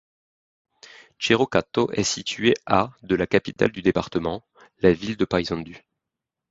Cerro Chato est située à de la capitale du département, la ville de Paysandú.